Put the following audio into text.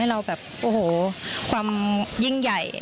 ในเวลาเดิมคือ๑๕นาทีครับ